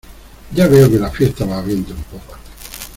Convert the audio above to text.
ya veo que la fiesta va viento en popa.